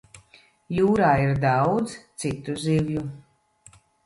Jūrā ir daudz citu zivju.